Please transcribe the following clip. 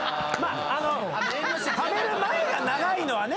食べる前が長いのはね